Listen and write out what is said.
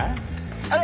あれ？